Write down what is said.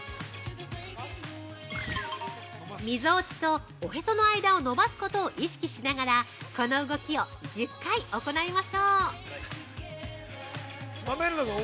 ◆みぞおちとおへその間を伸ばすことを意識しながらこの動きを１０回行いましょう。